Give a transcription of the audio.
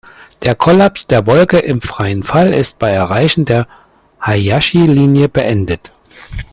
Der Kollaps der Wolke im freien Fall ist bei Erreichen der Hayashi-Linie beendet.